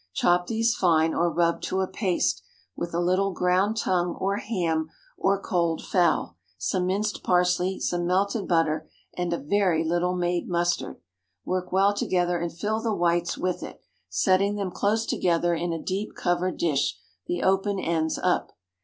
Chop these fine, or rub to a paste, with a little ground tongue or ham or cold fowl, some minced parsley, some melted butter, and a very little made mustard. Work well together and fill the whites with it, setting them close together in a deep covered dish, the open ends up.